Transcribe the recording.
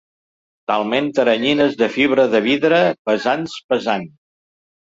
Talment teranyines de fibra de vidre, pesants pesants.